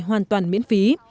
hoàn toàn miễn phí